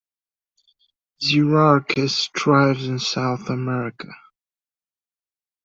"Xerorchis" thrives in South America.